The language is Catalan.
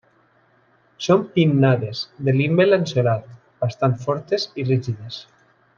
Són pinnades, de limbe lanceolat, bastant fortes i rígides.